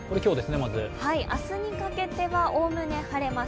明日にかけてはおおむね晴れます。